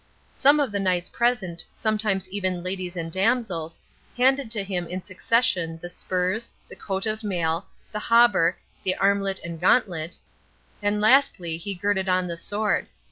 Some of the knights present, sometimes even ladies and damsels, handed to him in succession the spurs, the coat of mail, the hauberk, the armlet and gauntlet, and lastly he girded on the sword.